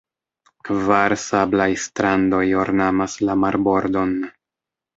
Kvar sablaj strandoj ornamas la marbordon.